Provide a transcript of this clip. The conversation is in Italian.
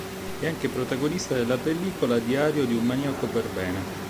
È anche protagonista della pellicola "Diario di un maniaco per bene".